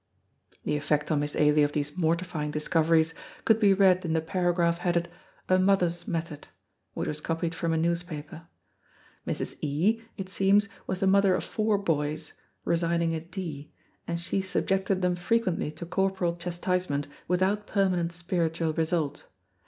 The effect on Miss Ailie of these mortifying discoveries could be read in the paragraph headed A MOTHER'S METHOD, which was copied from a newspaper. Mrs. E , it seems, was the mother of four boys (residing at D ), and she subjected them frequently to corporal chastisement without permanent spiritual result.